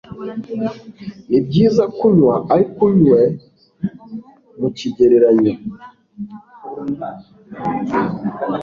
Nibyiza kunywa ariko unywe mukigereranyo